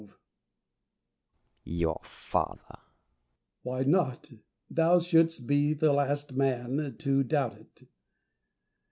Diogenes. Why not ^ Thou shouldst be the last man to doubt it.